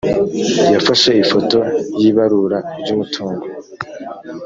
yafashe ifoto y’ibarura ry’umutungo